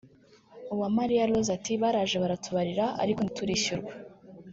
Uwamariya Rose wagize ati “baraje baratubarira ariko ntiturishyurwa